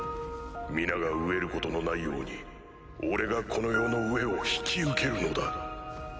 皆が飢えることのないように俺がこの世の飢えを引き受けるのだ。